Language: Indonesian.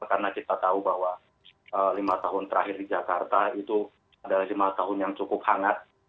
karena kita tahu bahwa lima tahun terakhir di jakarta itu adalah lima tahun yang cukup hangat